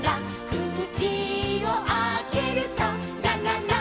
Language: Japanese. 「口をあけるとラララン」